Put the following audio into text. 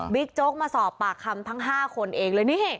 โจ๊กมาสอบปากคำทั้ง๕คนเองเลยนี่